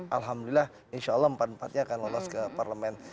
alhamdulillah insya allah empat empatnya akan lolos ke parlemen